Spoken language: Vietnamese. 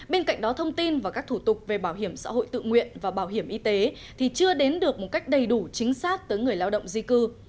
bên cạnh đó thông tin và các thủ tục về bảo hiểm xã hội tự nguyện và bảo hiểm y tế thì chưa đến được một cách đầy đủ chính xác tới người lao động di cư